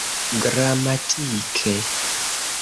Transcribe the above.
gramatike